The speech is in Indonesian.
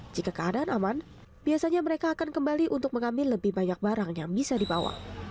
jika keadaan aman biasanya mereka akan kembali untuk mengambil lebih banyak barang yang bisa dibawa